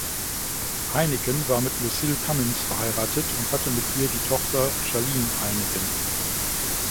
Heineken war mit Lucille Cummins verheiratet und hatte mit ihr die Tochter Charlene Heineken.